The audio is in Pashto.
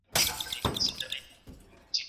بېتا خوږ کابل اوس هغه کابل نه دی